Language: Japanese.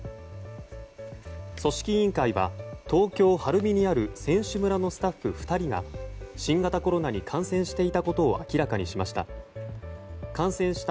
組織委員会は東京・晴海にある選手村のスタッフ２人が新型コロナに感染していたことを明らかにしました。